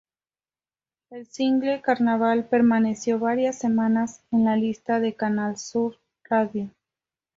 El single Carnaval, permaneció varias semanas en la lista de Canal Sur Radio.